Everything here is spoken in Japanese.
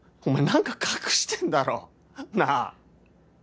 何か隠してんだろなあ？